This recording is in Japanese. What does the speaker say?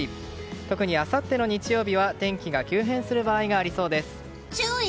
特にあさっての日曜日は天気が急変する場合がありそうです。